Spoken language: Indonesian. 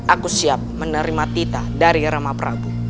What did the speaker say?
aku siap menerima tita dari rama prabu